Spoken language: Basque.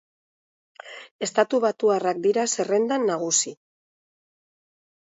Estatubatuarrak dira zerrendan nagusi.